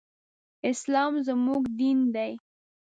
اسلام زموږ دين دی